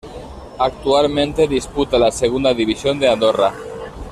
Actualmente disputa la Segunda División de Andorra.